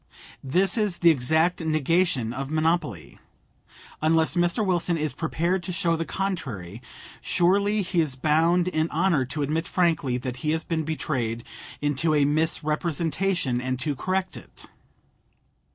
This is the exact negation of monopoly. Unless Mr. Wilson is prepared to show the contrary, surely he is bound in honor to admit frankly that he has been betrayed into a misrepresentation, and to correct it.